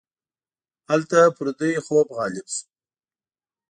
هلته پر دوی خوب غالب شو.